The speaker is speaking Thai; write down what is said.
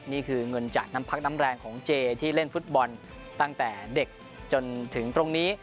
นี่คือเงินจากน้ำพักน้ำแรงของเจที่เล่นฟุตบอลตั้งแต่เด็กจนถึงตรงนี้